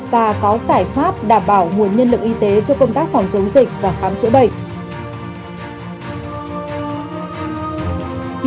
và có giải pháp đảm bảo nguồn nhân lực y tế cho công tác phòng chống dịch và khám chữa bệnh